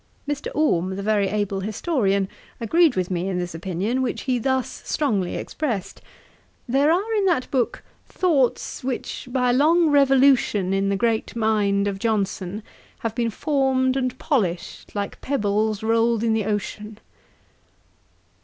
Mr. Orme, the very able historian, agreed with me in this opinion, which he thus strongly expressed: 'There are in that book thoughts, which, by long revolution in the great mind of Johnson, have been formed and polished like pebbles rolled in the ocean!'